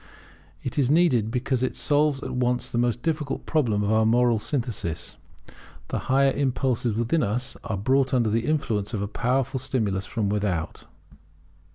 It is needed, because it solves at once the most difficult problem of the moral synthesis. The higher impulses within us are brought under the influence of a powerful stimulus from without.